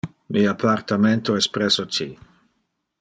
Mi appartamento es presso ci.